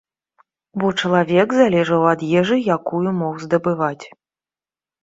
Бо чалавек залежаў ад ежы, якую мог здабываць.